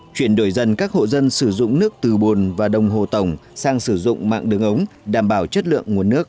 chuyển đổi dần các hộ dân sử dụng nước từ bồn và đồng hồ tổng sang sử dụng mạng đường ống đảm bảo chất lượng nguồn nước